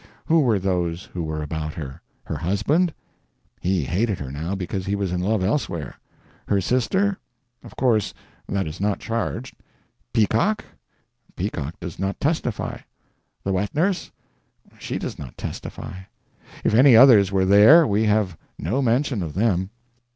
Who were those who were about her? Her husband? He hated her now, because he was in love elsewhere. Her sister? Of course that is not charged. Peacock? Peacock does not testify. The wet nurse? She does not testify. If any others were there we have no mention of them.